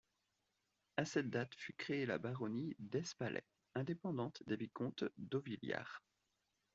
A cette date fut créée la baronnie d'Espalais, indépendante des vicomtes d'Auvillar.